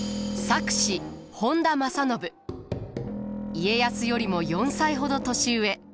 家康よりも４歳ほど年上。